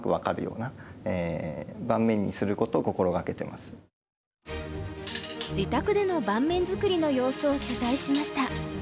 なるべく自宅での盤面づくりの様子を取材しました。